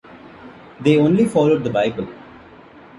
They only followed the Bible.